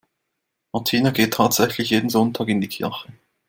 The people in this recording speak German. Martina geht tatsächlich jeden Sonntag in die Kirche.